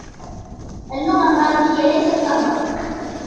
اللغة العربية ليست صعبة.